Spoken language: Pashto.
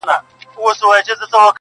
مړ وجود مي پر میدان وو دړي وړي -